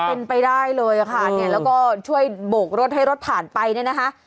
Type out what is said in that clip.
เป็นไปได้เลยค่ะเนี่ยแล้วก็ช่วยโบกรถให้รถผ่านไปเนี่ยนะคะ